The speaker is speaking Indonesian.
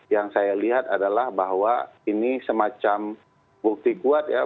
yang saya lihat adalah bahwa ini semacam bukti kuat ya